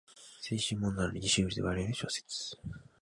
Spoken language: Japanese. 青春ものなのにシュールで笑える小説